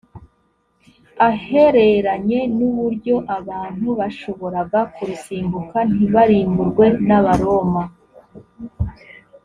ahereranye n uburyo abantu bashoboraga kurusimbuka ntibarimburwe n abaroma